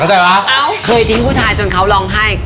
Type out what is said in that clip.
แต่ว่าเคยทิ้งผู้ชายจนเขาร้องไห้